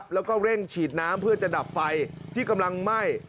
แล้วก็เร่งฉีดน้ำเพื่อจะดับไฟที่กำลังไหม้